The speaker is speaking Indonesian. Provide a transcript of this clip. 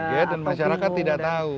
ya dan masyarakat tidak tahu